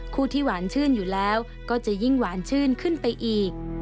ที่หวานชื่นอยู่แล้วก็จะยิ่งหวานชื่นขึ้นไปอีก